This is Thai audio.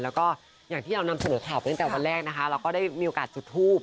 แล้วก็อย่างที่เรานำเสนอข่าวไปตั้งแต่วันแรกนะคะเราก็ได้มีโอกาสจุดทูบ